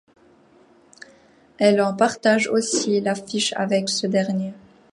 Elle en partage aussi l'affiche avec ce dernier.